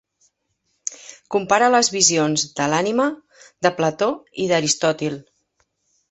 Compara les visions de l'ànima de Plató i d'Aristòtil.